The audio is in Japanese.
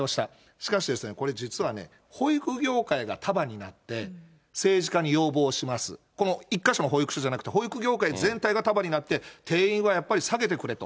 しかしですね、これ実はね、保育業界が束になって、政治家に要望します、この、１か所の保育所じゃなくて、保育業界全体が束になって、定員はやっぱり下げてくれと。